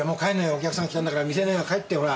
お客さん来たんだから未成年は帰ってよほら。